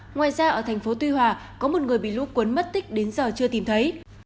ngoài ra ở thành phố tuy hòa có một người bị lũ cuốn mất tích đến giờ chưa tìm thấy